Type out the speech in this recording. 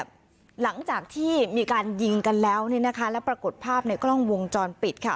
หลังจากที่มีการยิงกันแล้วเนี่ยนะคะแล้วปรากฏภาพในกล้องวงจรปิดค่ะ